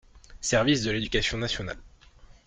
Service de l’éducation nationale.